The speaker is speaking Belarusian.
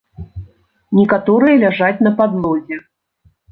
Некаторыя ляжаць на падлозе.